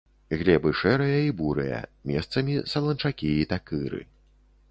Глебы шэрыя і бурыя, месцамі саланчакі і такыры.